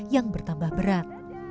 yang bertambah berat